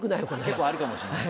結構あるかもしんない。